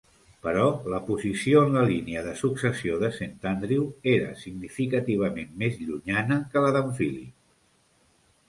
Però la posició en la línia de successió de Sant Andrew era significativament més llunyana que la d'en Phillip.